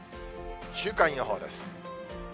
週間予報です。